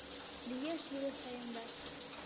Лиеш илыш саемдаш.